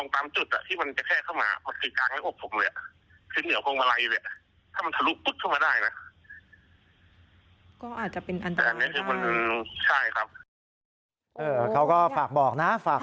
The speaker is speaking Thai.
คือผมก็ไม่ได้ตามไปหาความผิดจากใครนะครับ